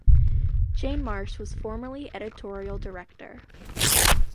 Jane Marsh was formerly editorial director.